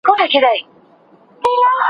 آیا ژور سیندونه تر سطحي سیندونو خطرناک دي؟